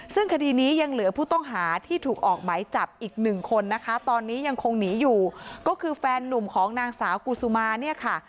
ซึ่งคดีนี้ยังเหลือผู้ต้องหาที่ถูกออกไหมจับอีกหนึ่งคนนะคะตอนนี้ยังคงหนีอยู่ก็คือแฟนนุ่มของนางสาวกุศุมาเนี่ยค่ะ